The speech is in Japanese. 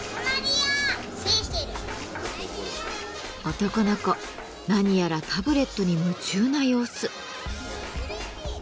男の子何やらタブレットに夢中な様子。